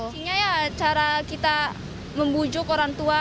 isinya ya cara kita membujuk orang tua